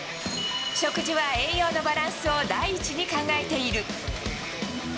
食事は栄養のバランスを第一に考えている。